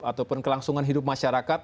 ataupun kelangsungan hidup masyarakat